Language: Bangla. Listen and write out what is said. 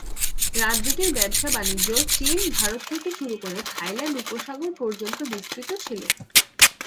রাজ্যটির ব্যবসা বাণিজ্য চীন, ভারত থেকে শুরু করে থাইল্যান্ড উপসাগর পর্যন্ত বিস্তৃত ছিল।